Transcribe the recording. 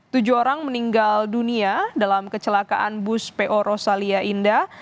tujuh orang meninggal dunia dalam kecelakaan bus po rosalia indah